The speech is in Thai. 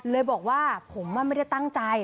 เลยบอกว่าผมไม่ได้ตั้งใจ